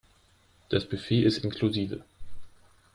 Das Buffet ist inklusive.